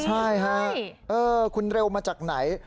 ใช่ฮะคุณเร็วมาจากไหน